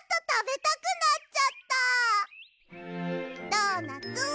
ドーナツ